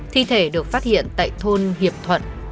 thi thể được phát hiện tại thôn hiệp thuận